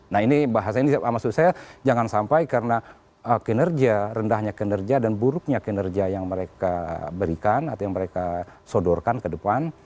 nah ini bahasa ini maksud saya jangan sampai karena kinerja rendahnya kinerja dan buruknya kinerja yang mereka berikan atau yang mereka sodorkan ke depan